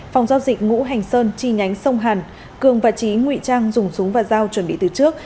phòng giao dịch ngũ hành sơn chi nhánh sông hàn cường và trí nguy trang dùng súng và dao chuẩn bị từ trước